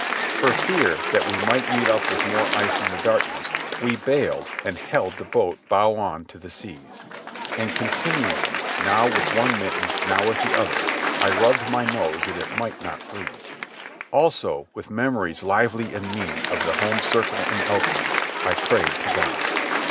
For fear that we might meet up with more ice in the darkness, we bailed and held the boat bow on to the seas. And continually, now with one mitten, now with the other, I rubbed my nose that it might not freeze. Also, with memories lively in me of the home circle in Elkton, I prayed to God.